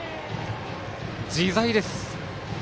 自在です。